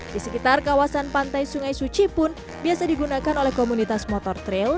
di sekitar kawasan pantai sungai suci pun biasa digunakan oleh komunitas motor trail